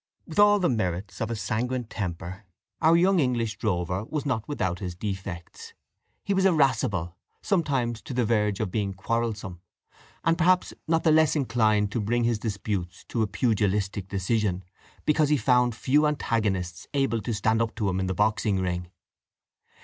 With all the merits of a sanguine temper, our young English drover was not without his defects. He was irascible, sometimes to the verge of being quarrelsome; and perhaps not the less inclined to bring his disputes to a pugilistic decision, because he found few antagonists able to stand up to him in the boxing ring.